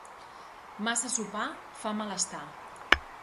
Massa sopar fa mal estar.